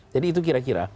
jadi itu kira kira